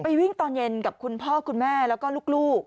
วิ่งตอนเย็นกับคุณพ่อคุณแม่แล้วก็ลูก